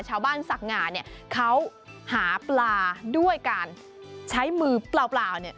สักหงาเนี่ยเขาหาปลาด้วยการใช้มือเปล่าเนี่ย